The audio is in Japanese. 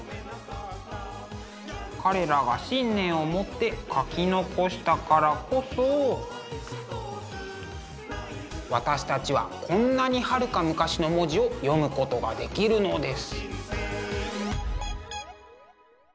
彼らが信念を持って書き残したからこそ私たちはこんなにはるか昔の文字を読むことができるのです。